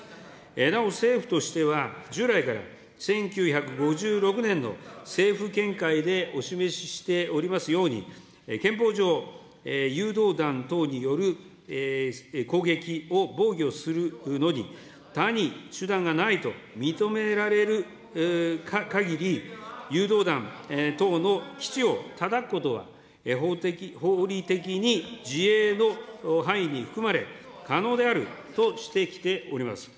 なお、政府としては、従来から１９５６年の政府見解でお示ししておりますように、憲法上、誘導弾等による攻撃を防御するのに、他に手段がないと認められるかぎり、誘導弾等の基地をたたくことは法的に自衛の範囲に含まれ、可能であるとしてきております。